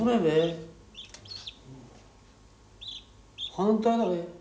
反対だべ？